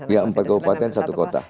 ya empat kabupaten satu kota